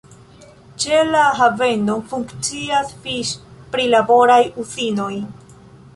Ĉe la haveno funkcias fiŝ-prilaboraj uzinoj.